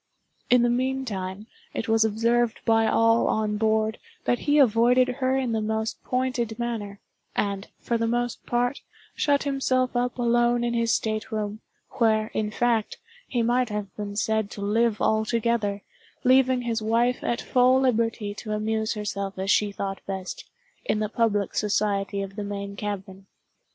In the meantime, it was observed by all on board, that he avoided her in the most pointed manner, and, for the most part, shut himself up alone in his state room, where, in fact, he might have been said to live altogether, leaving his wife at full liberty to amuse herself as she thought best, in the public society of the main cabin.